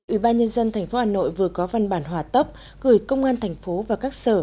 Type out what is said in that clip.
ủy ban nhân dân tp hà nội vừa có văn bản hòa tốc gửi công an thành phố và các sở